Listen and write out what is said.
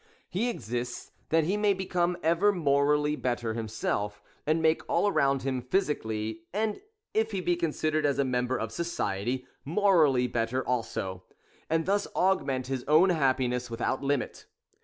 He exists, that he may become ever morally better himself, and make all around him physically, and, if he be considered as a member of society, morally better also, — and thus augment his own happiness without limit.